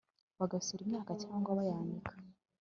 bagosora imyaka cyangwa bayanika